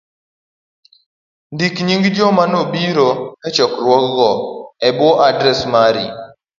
ndik nying joma nobiro e chokruogno e bwo adres mari.